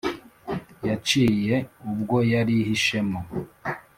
yaciye ubwo yarihishemo